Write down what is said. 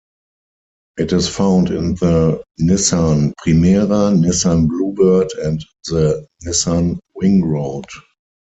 It is found in the Nissan Primera, Nissan Bluebird, and the Nissan Wingroad.